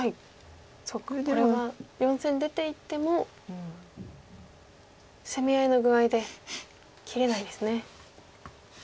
これは４線出ていっても攻め合いの具合で切れないですね。